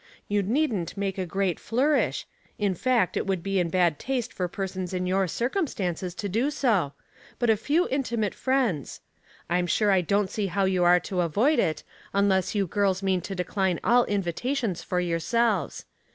You needn't make a great flourish. In fact, it would be in bad taste for persons in your circumstances to do so; but a few intimate friends. I'm sure I don't see how you are to avoid it, unless you girls mean to decline all invitations for your selves.